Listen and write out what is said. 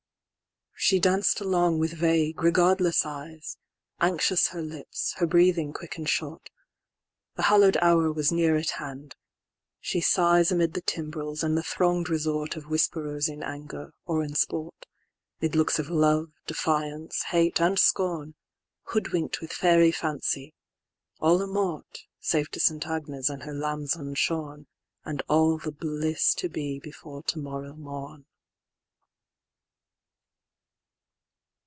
VIII.She danc'd along with vague, regardless eyes, Anxious her lips, her breathing quick and short:The hallow'd hour was near at hand: she sighsAmid the timbrels, and the throng'd resortOf whisperers in anger, or in sport;'Mid looks of love, defiance, hate, and scorn, Hoodwink'd with faery fancy; all amort, Save to St. Agnes and her lambs unshorn, And all the bliss to be before to morrow morn.